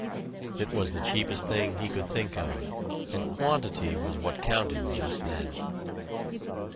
It was the cheapest thing he could think of, and quantity was what counted just then.